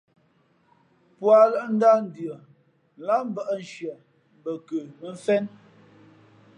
Póalᾱʼ ndáh ndʉα láhmbᾱʼnshieʼ bα nkə mᾱ mfén.